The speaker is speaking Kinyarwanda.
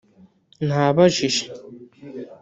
Nabajije